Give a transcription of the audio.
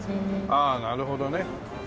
ああなるほどね。